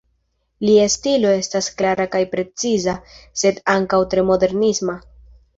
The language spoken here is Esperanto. Lia stilo estas klara kaj preciza, sed ankaŭ tre modernisma.